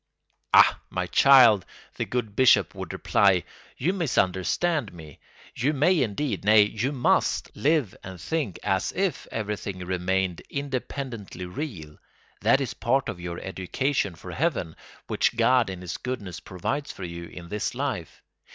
"Ah, my child," the good Bishop would reply, "you misunderstand me. You may indeed, nay, you must, live and think as if everything remained independently real. That is part of your education for heaven, which God in his goodness provides for you in this life.